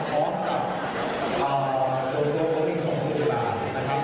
พร้อมกับโซโลกรณิสมธุราณนะครับ